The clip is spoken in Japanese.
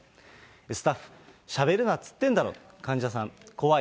スタッフ、しゃべるなっつってんだろ、患者さん、怖い、